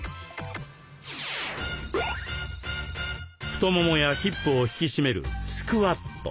太ももやヒップを引き締めるスクワット。